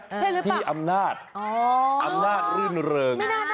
หรือป่ะพี่อำนาจอำนาจรื่นเริง